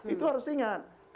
itu harus diingat